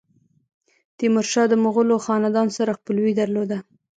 تیمورشاه د مغولو خاندان سره خپلوي درلوده.